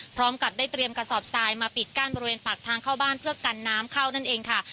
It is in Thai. พร้อมกับได้เตรียมกระสอบทรายมาปิดกั้นบริเวณปากทางเข้าบ้านเพื่อกันน้ำเข้านั่นเองค่ะ